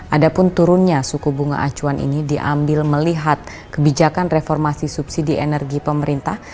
ada pun turunnya suku bunga acuan ini diambil melihat kebijakan reformasi subsidi energi pemerintah